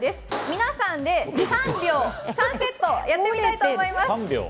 皆さんで３秒３セットをやってみたいと思います。